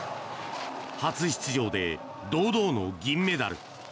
初出場で堂々の銀メダル。